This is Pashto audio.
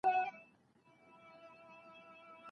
مثبت یادونه انسان ته انرژي ورکوي.